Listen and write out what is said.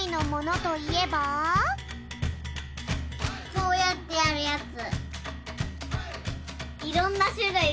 こうやってやるやつ。